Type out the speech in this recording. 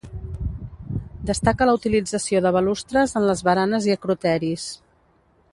Destaca la utilització de balustres en les baranes i acroteris.